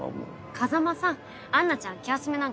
風真さんアンナちゃんは気休めなんか言いません。